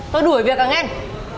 tôi đuổi việc càng nhanh